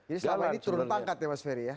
jadi selama ini turun tangkat ya mas ferry ya